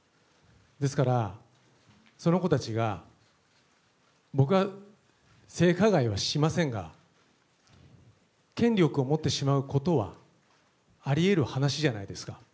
ですから、その子たちが僕は性加害はしませんが、権力を持ってしまうことはありえる話じゃないですか。